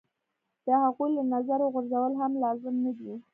د هغوی له نظره غورځول هم لازم نه دي.